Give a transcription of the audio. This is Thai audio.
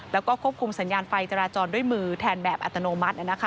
แล้วก็ควบคุมสัญญาณไฟจราจรด้วยมือแทนแบบอัตโนมัติ